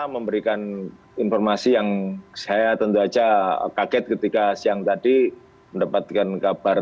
memberikan informasi yang saya tentu saja kaget ketika siang tadi mendapatkan kabar